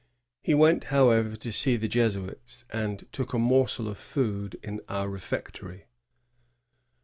He went, however, to see the Jesuits, and "took a morsel of food in our refectory."